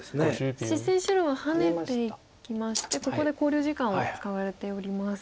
実戦白はハネていきましてここで考慮時間を使われております。